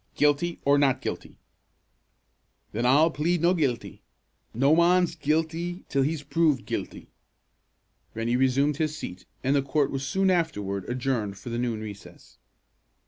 "Guilty, or not guilty?" "Then I'll plead no' guilty. No mon's guilty till he's proved guilty." Rennie resumed his seat, and the court was soon afterward adjourned for the noon recess.